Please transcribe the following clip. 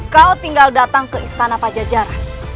kau tinggal datang ke istana pajajaran